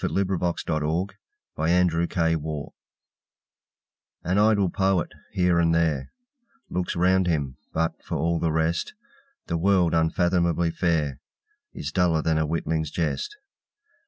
Coventry Patmore The Revelation AN idle poet, here and there, Looks round him, but, for all the rest, The world, unfathomably fair, Is duller than a witling's jest.